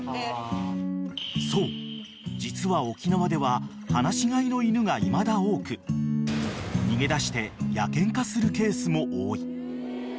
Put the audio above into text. ［そう実は沖縄では放し飼いの犬がいまだ多く逃げ出して野犬化するケースも多い］